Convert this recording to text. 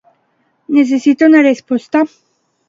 Necessita una resposta?